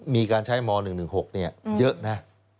มีการใช้ม๑๑๖เยอะนะ